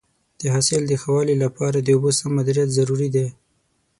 د حاصل د ښه والي لپاره د اوبو سم مدیریت ضروري دی.